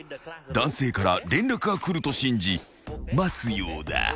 ［男性から連絡が来ると信じ待つようだ］